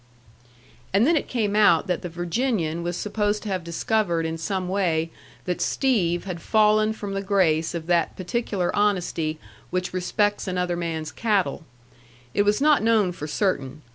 And then it came out that the Virginian was supposed to have discovered in some way that Steve had fallen from the grace of that particular honesty which respects another man's cattle. It was not known for certain.